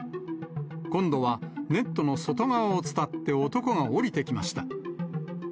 今度はネットの外側を伝って男が下りてきました。